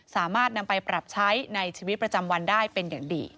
สามารถนำไปปรับใช้ในชีวิตประจำวันได้เป็นอย่างดี